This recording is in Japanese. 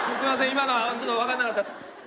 今のはちょっと分かんなかったっす。